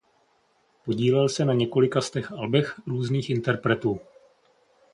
Podílel se na několika stech albech různých interpretů.